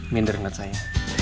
minder enggak saya